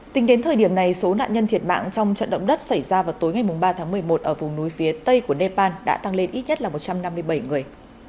tính đến thời điểm này số nạn nhân thiệt mạng trong trận động đất xảy ra vào tối ngày ba tháng một mươi một ở vùng núi phía tây của nepal đã tăng lên ít nhất là một trăm năm mươi bảy người